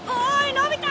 のび太。